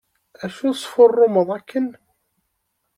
Acu tesfurrumeḍ akken?